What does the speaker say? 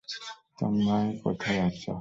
তোমায় কোথায় আছো?